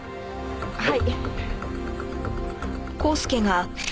はい。